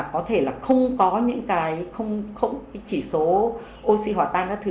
chúng ta cũng có một lượng nước thải mà có thể không có những cái chỉ số oxy hỏa tan các thứ